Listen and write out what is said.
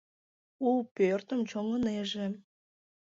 У пӧртым чоҥынеже.